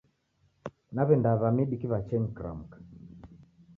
Naw'enda w'a midi kiwachenyi kuramka.